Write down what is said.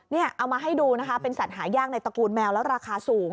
นี่เอามาให้ดูนะคะเป็นสัตว์หายากในตระกูลแมวแล้วราคาสูง